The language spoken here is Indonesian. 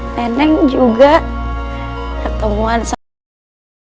neneng juga ketemuan sama